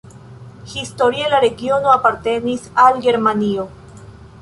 Historie la regiono apartenis al Germanio.